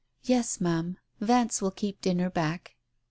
"Yes, Ma'am, Vance will keep dinner back."